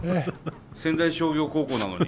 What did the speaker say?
仙台商業高校なのに。